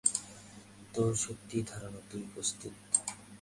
তোর সত্যিই ধারণা তুই প্রস্তুত?